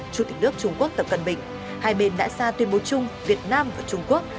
chủ tịch nước trung quốc tập cận bình hai bên đã ra tuyên bố chung việt nam và trung quốc